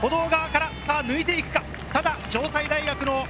歩道側から抜いていくか？